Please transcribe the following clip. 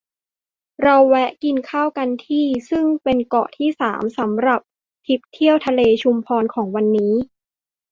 เราแวะกินข้าวกันที่ ซึ่งเป็นเกาะที่ สาม สำหรับทริปเที่ยวทะเลชุมพรของวันนี้